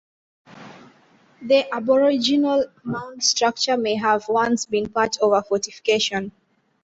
The aboriginal mound structure may have once been part of a fortification.